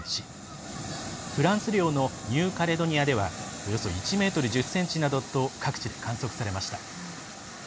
フランス領のニューカレドニアではおよそ１ｍ１０ｃｍなどと各地で観測されました。